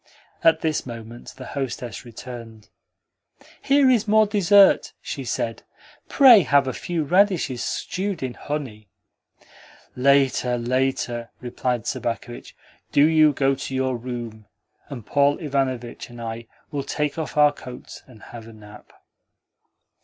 At this moment the hostess returned. "Here is more dessert," she said. "Pray have a few radishes stewed in honey." "Later, later," replied Sobakevitch. "Do you go to your room, and Paul Ivanovitch and I will take off our coats and have a nap."